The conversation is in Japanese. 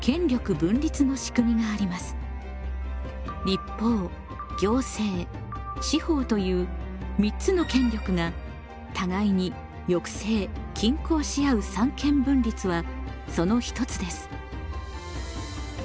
立法行政司法という三つの権力が互いに抑制・均衡しあう三権分立はその一つです。